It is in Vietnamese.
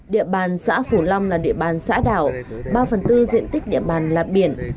địa bàn xã phủ long là địa bàn xã đảo ba phần tư diện tích địa bàn là biển